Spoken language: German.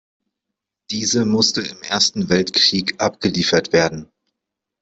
Diese musste im Ersten Weltkrieg abgeliefert werden.